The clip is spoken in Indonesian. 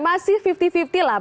masih lima puluh lima puluh lah